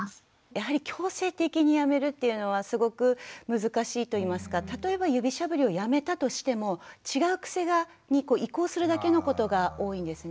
やはり強制的にやめるっていうのはすごく難しいといいますか例えば指しゃぶりをやめたとしても違う癖に移行するだけのことが多いんですね。